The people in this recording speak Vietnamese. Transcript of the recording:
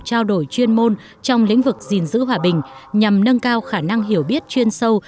trao đổi chuyên môn trong lĩnh vực gìn giữ hòa bình nhằm nâng cao khả năng hiểu biết chuyên sâu